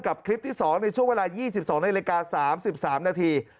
คลิปที่๒ในช่วงเวลา๒๒นาฬิกา๓๓นาที